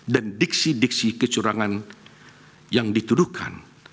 dan diksi diksi kecurangan yang dituduhkan